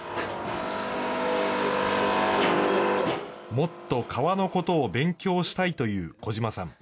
もっと革のことを勉強したいという児嶋さん。